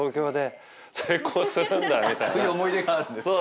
そういう思い出があるんですか。